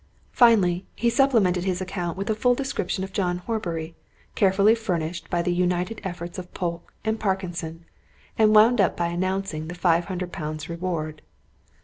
Finally, he supplemented his account with a full description of John Horbury, carefully furnished by the united efforts of Polke and Parkinson, and wound up by announcing the five hundred pounds reward.